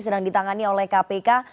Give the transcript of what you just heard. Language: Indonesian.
sedang ditangani oleh kpk